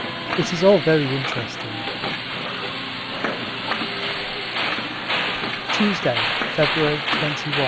It is all very interesting. Tuesday, February 21.